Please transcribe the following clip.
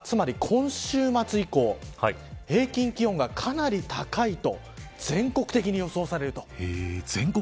４月１０日、つまり今週末以降平均気温がかなり高いと全国的に予想されると。